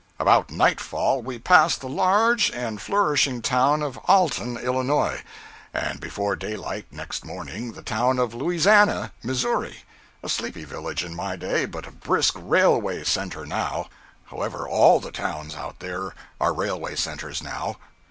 About nightfall we passed the large and flourishing town of Alton, Illinois; and before daylight next morning the town of Louisiana, Missouri, a sleepy village in my day, but a brisk railway center now; however, all the towns out there are railway centers now.